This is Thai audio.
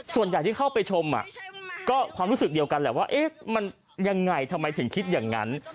ส่วนใหญ่ที่เข้าไปชมก็ความรู้สึกเดียวกันแหละว่ามันยังไงทำไมถึงคิดอย่างนั้น